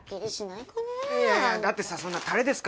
いやいやだってさそんなタレですか？